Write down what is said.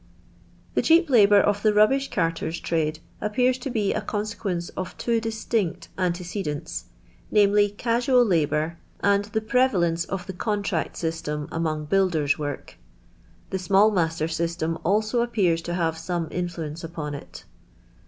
The cheap labour of the rubbish carters' trade appears to be a consequence of two distinct ante cedents, viz., casual labour and the prevalence of the contract sys'.em among builder's work. The small mastor system also appears to have some influence upon it.